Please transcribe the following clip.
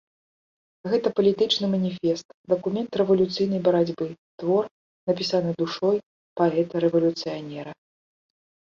Гэта палітычны маніфест, дакумент рэвалюцыйнай барацьбы, твор, напісаны душой паэта-рэвалюцыянера.